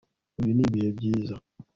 Uyu ni ibihe byiza